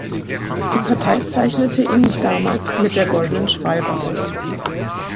Die Partei zeichnete ihn damals mit der "Goldenen Schwalbe" aus.